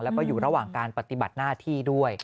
แล้วก็อยู่ระหว่างการปฏิบัติหน้าที่ด้วย